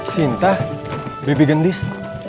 sinta bebi gendis